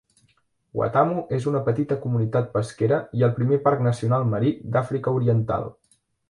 Watamu és una petita comunitat pesquera i el primer parc nacional marí d'Àfrica Oriental.